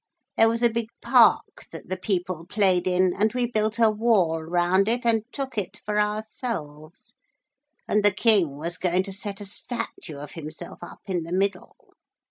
There was a big park that the people played in, and we built a wall round it and took it for ourselves, and the King was going to set a statue of himself up in the middle.